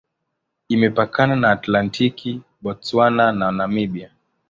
Imepakana na Atlantiki, Botswana na Namibia.